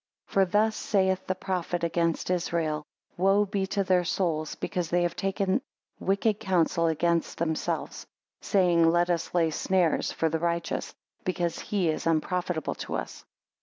7 For thus saith the prophet against Israel: "Woe be to their soul because they have taken wicked counsel against themselves, saying; let us lay snares for the righteous, because he is unprofitable to us."